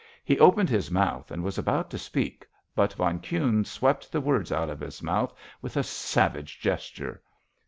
He opened his mouth and was about to speak, but von Kuhne swept the words out of his mouth with a savage gesture.